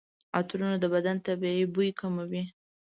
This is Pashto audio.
عطرونه د بدن طبیعي بوی کموي.